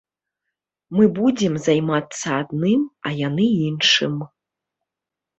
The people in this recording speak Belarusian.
Мы будзем займацца адным, а яны іншым.